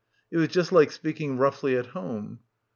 It was just like speaking roughly at home.